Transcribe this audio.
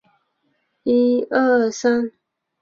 沃普瓦松。